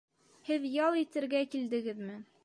Һеҙ ял итергә килдегеҙме?